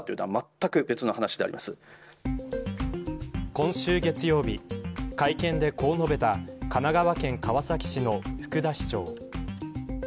今週月曜日、会見でこう述べた神奈川県川崎市の福田市長。